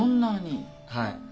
はい。